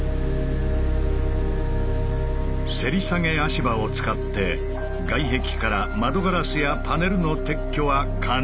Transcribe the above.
せり下げ足場を使って外壁から窓ガラスやパネルの撤去は完了した。